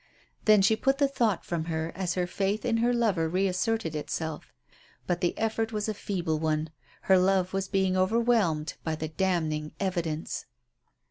Then she put the thought from her as her faith in her lover re asserted itself. But the effort was a feeble one; her love was being overwhelmed by the damning evidence.